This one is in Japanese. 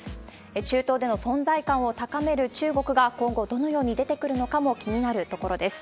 中東での存在感を高める中国が今後どのように出てくるのかも気になるところです。